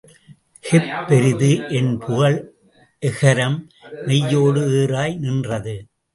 கெப் பெரிது என்புழி எகரம் மெய்யோடு ஈறாய் நின்றது.